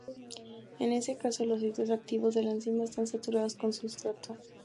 En ese caso, los sitios activos de la enzima están saturados con sustrato.